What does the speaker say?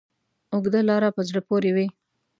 اوږده لاره په زړه پورې وي.